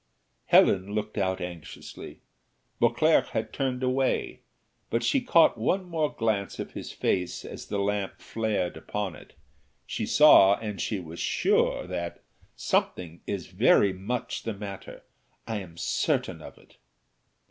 Helen looked out anxiously. Beauclerc had turned away, but she caught one more glance of his face as the lamp flared upon it she saw, and she was sure that "Something is very much the matter I am certain of it."